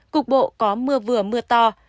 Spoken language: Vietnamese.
cục bộ có mưa vừa mưa to